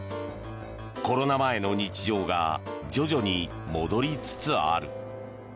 コロナ前の日常が徐々に戻りつつある。